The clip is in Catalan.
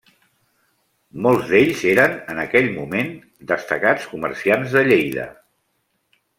Molts d'ells eren, en aquell moment, destacats comerciants de Lleida.